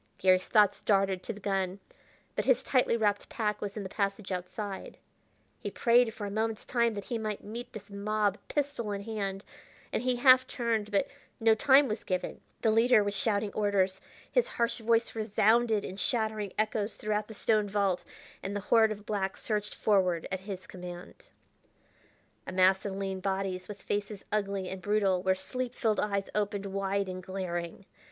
Garry's thoughts darted to the gun, but his tightly wrapped pack was in the passage outside. He prayed for a moment's time that he might meet this mob pistol in hand, and he half turned; but no time was given. The leader was shouting orders, his harsh voice resounded in shattering echoes throughout the stone vault, and the horde of blacks surged forward at his command. A mass of lean bodies, with faces ugly and brutal where sleep filled eyes opened wide and glaring!